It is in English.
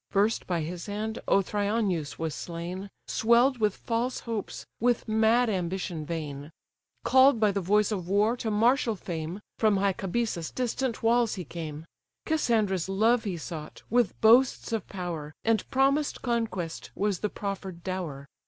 First by his hand Othryoneus was slain, Swell'd with false hopes, with mad ambition vain; Call'd by the voice of war to martial fame, From high Cabesus' distant walls he came; Cassandra's love he sought, with boasts of power, And promised conquest was the proffer'd dower.